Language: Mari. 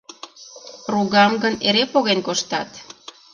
Ругам гын эре поген коштат!..